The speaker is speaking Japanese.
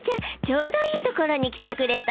ちょうどいいところに来てくれたわ。